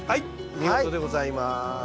見事でございます。